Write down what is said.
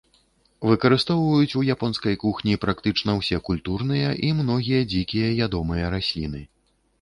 Выкарыстоўваюць у японскай кухні практычна ўсе культурныя і многія дзікія ядомыя расліны.